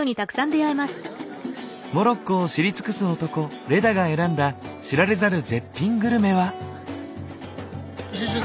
モロッコを知り尽くす男レダが選んだ知られざる絶品グルメは？